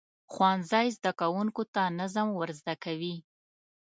ښوونځی زده کوونکو ته نظم ورزده کوي.